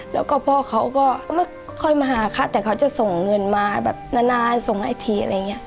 แล้วก็พ่อเขาก็ไม่ค่อยมาหาคะแต่เขาจะส่งเงินมาแบบนานส่งไอทีอะไรอย่างนี้